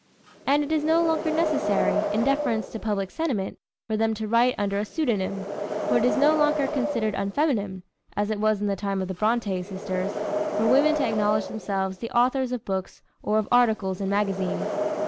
And it is no longer necessary, in deference to public sentiment, for them to write under a pseudonym, for it is no longer considered unfeminine, as it was in the time of the Brontë sisters, for women to acknowledge themselves the authors of books or of articles in magazines.